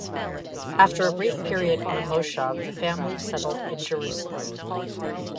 After a brief period on a "moshav", the family settled in Jerusalem.